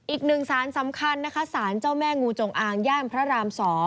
อีกหนึ่งสารสำคัญนะคะสารเจ้าแม่งูจงอางย่านพระราม๒